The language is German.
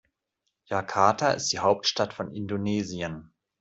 Jakarta ist die Hauptstadt von Indonesien.